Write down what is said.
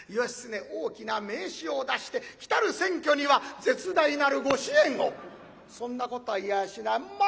義経大きな名刺を出して「来る選挙には絶大なるご支援を」。そんなことは言やあしない。